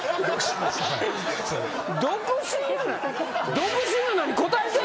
独身。